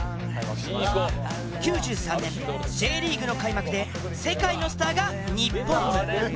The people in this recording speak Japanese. ９３年Ｊリーグの開幕で世界のスターが日本に。